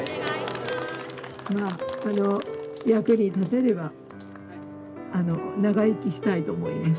まあ役に立てれば長生きしたいと思います。